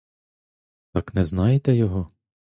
Так не знаєте його?